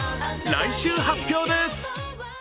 来週発表です。